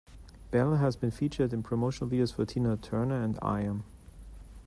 Belle has been featured in promotional videos for Tina Turner, and Iam.